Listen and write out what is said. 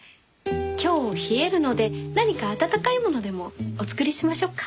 今日冷えるので何か温かいものでもお作りしましょうか？